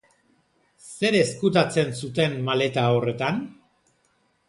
Zer ezkutatzen zuten maleta horretan?